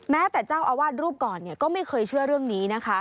แม้แต่เจ้าอาวาสรูปก่อนก็ไม่เคยเชื่อเรื่องนี้นะคะ